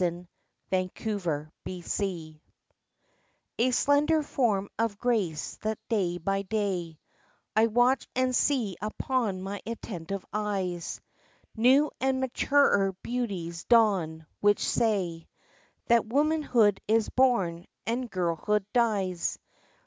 VI A PORTRAIT A SLENDER form of grace that day by day I watch and see upon my attentive eyes New and maturer beauties dawn, which say That womanhood is born and girlhood dies.